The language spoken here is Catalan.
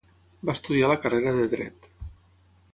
Va estudiar la carrera de dret.